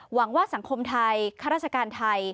หวังว่าสังคมไทยข้าราชการไทย